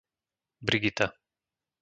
Brigita